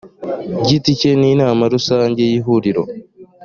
giti cye n inama rusange y ihuriro